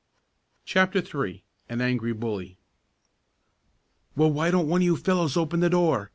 CHAPTER III AN ANGRY BULLY "Well, why don't one of you fellows open the door?"